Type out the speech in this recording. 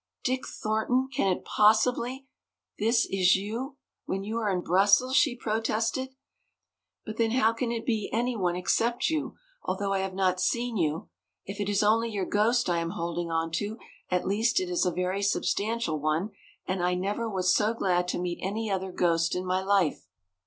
"Dick Thornton, can it be possible this is you, when you are in Brussels?" she protested. "But then how can it be any one except you, although I have not seen you. If it is only your ghost I am holding on to, at least it is a very substantial one, and I never was so glad to meet any other ghost in my life."